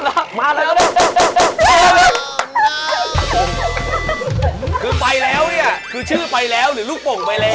คือไปแล้วเนี่ยคือชื่อไปแล้วหรือลูกโป่งไปแล้ว